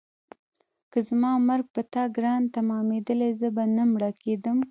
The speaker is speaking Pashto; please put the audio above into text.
که زما مرګ په تا ګران تمامېدلی زه به نه مړه کېدم.